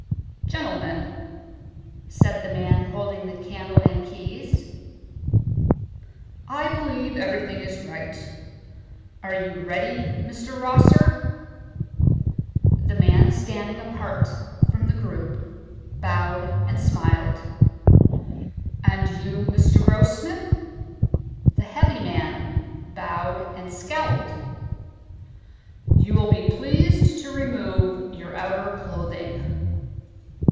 "Gentlemen," said the man holding the candle and keys, "I believe everything is right. Are you ready, Mr. Rosser?" The man standing apart from the group bowed and smiled. "And you, Mr. Grossmith?" The heavy man bowed and scowled. "You will be pleased to remove your outer clothing."